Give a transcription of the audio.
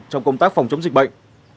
trong công tác phòng chống dịch bệnh